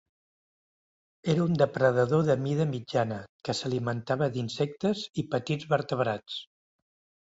Era un depredador de mida mitjana, que s'alimentava d'insectes i petits vertebrats.